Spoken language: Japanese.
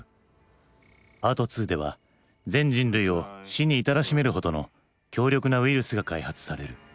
パート２では全人類を死に至らしめるほどの強力なウイルスが開発される。